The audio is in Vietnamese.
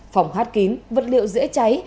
phòng hát kín vật liệu dễ cháy